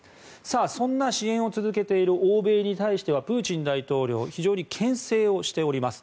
そんな支援を続けている欧米に対してはプーチン大統領は非常にけん制をしております。